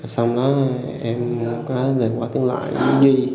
xong đó em có rời qua tiếng loại với duy